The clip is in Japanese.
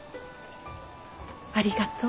ありがとう。